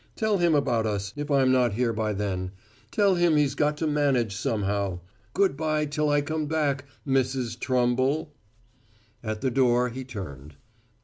Tell him about us, if I'm not here by then. Tell him he's got to manage somehow. Good bye till I come back Mrs. Trumble!" At the door he turned.